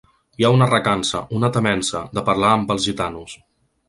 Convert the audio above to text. Hi ha una recança, una temença, de parlar amb els gitanos.